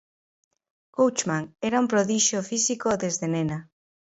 Coachman era un prodixio físico desde nena.